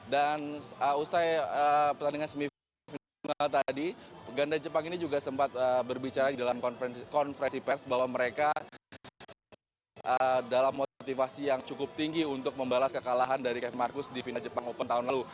dan selesai pertandingan semifinal tadi ganda jepang ini juga sempat berbicara di dalam konfresi pers bahwa mereka dalam motivasi yang cukup tinggi untuk membalas kekalahan dari kevin marcus di final jepang open tahun lalu